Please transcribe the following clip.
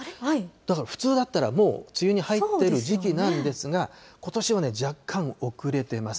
だから普通だったらもう、梅雨に入ってる時期なんですが、ことしは若干遅れてます。